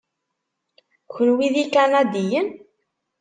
Kenwi d ikanadiyen?